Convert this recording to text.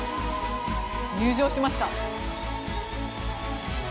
入場しました。